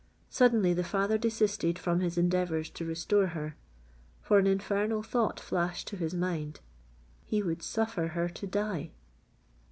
Suddenly the father desisted from his endeavours to restore her; for an infernal thought flashed to his mind. He would suffer her to die!